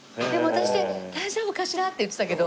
私で大丈夫かしら？」って言ってたけど。